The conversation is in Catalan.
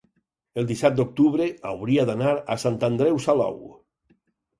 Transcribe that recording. el disset d'octubre hauria d'anar a Sant Andreu Salou.